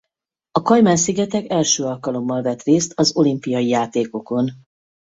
A Kajmán-szigetek első alkalommal vett részt az olimpiai játékokon.